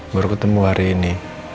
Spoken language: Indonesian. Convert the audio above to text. baru ketemu hari ini